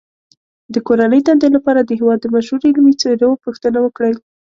د کورنۍ دندې لپاره د هېواد د مشهورو علمي څیرو پوښتنه وکړئ.